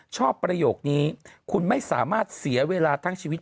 ประโยคนี้คุณไม่สามารถเสียเวลาทั้งชีวิต